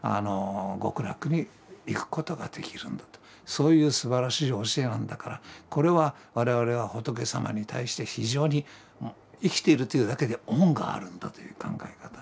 そういうすばらしい教えなんだからこれは我々は仏様に対して非常に生きているというだけで恩があるんだという考え方。